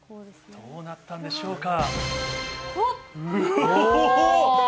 どうなったんでしょうか。